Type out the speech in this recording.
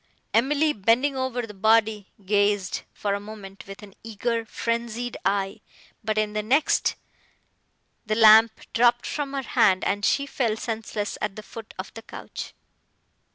Emily, bending over the body, gazed, for a moment, with an eager, frenzied eye; but, in the next, the lamp dropped from her hand, and she fell senseless at the foot of the couch.